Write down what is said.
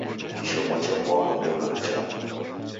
Kishomo chepoa kwa ngelo richaa.